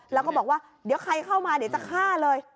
แล้วก็บอกว่าเดี๋ยวใครเข้ามาเดี๋ยวจะฆ่าเลย